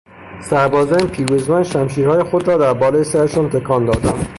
سربازان پیروزمند شمشیرهای خود را بالای سرشان تکان دادند.